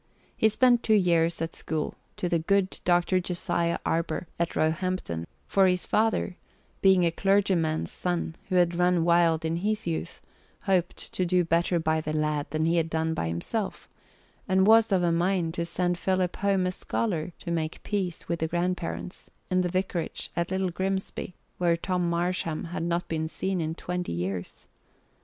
He spent two years at school to the good Dr. Josiah Arber at Roehampton, for his father, being a clergyman's son who had run wild in his youth, hoped to do better by the lad than he had done by himself, and was of a mind to send Philip home a scholar to make peace with the grandparents, in the vicarage at Little Grimsby, whom Tom Marsham had not seen in twenty years.